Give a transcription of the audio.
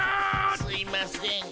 すいません。